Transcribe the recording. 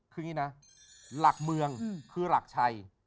คืออย่างนี้นะหลักเมืองคือหลักชัย